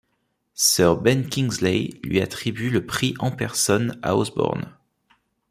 Sir Ben Kingsley lui attribue le prix en personne à Osbourne.